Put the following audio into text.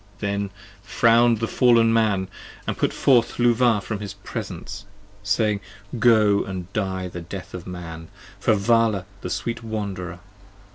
65 Then frown'd the fallen Man, and put forth Luvah from his presence, Saying, Go and Die the Death of Man, for Vala the sweet wanderer.